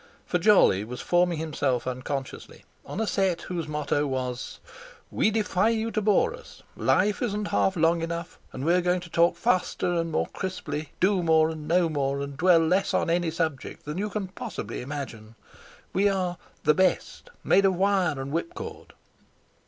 For Jolly was forming himself unconsciously on a set whose motto was: "We defy you to bore us. Life isn't half long enough, and we're going to talk faster and more crisply, do more and know more, and dwell less on any subject than you can possibly imagine. We are 'the best'—made of wire and whipcord."